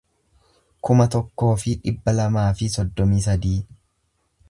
kuma tokkoo fi dhibba lamaa fi soddomii sadii